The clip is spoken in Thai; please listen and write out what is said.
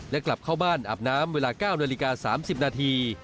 และกลับเข้าบ้านอาบน้ำเวลา๙นาฬิกา๓๐นาที